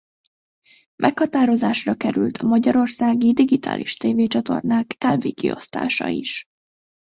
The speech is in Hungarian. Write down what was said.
Meghatározásra került a magyarországi digitális tv-csatornák elvi kiosztása is.